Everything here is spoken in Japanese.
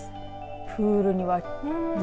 プールにはね。